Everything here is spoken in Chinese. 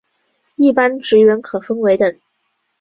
一般职员可分为等。